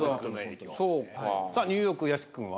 さあニューヨーク屋敷君は？